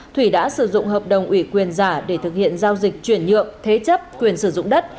thủy đã sử dụng hợp đồng ủy quyền giả để thực hiện giao dịch chuyển nhượng thế chấp quyền sử dụng đất